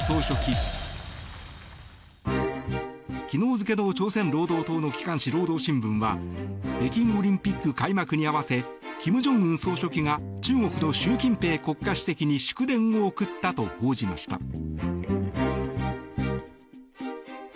昨日付の朝鮮労働党の機関紙・労働新聞は北京オリンピック開幕に合わせ金正恩総書記が中国の習近平国家主席に祝電を送ったと報じました。